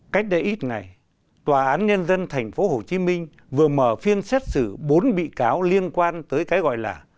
cách đây ít ngày tòa án nhân dân tp hcm vừa mở phiên xét xử bốn bị cáo liên quan tới cái gọi là